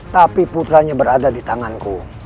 tapi putranya berada di tanganku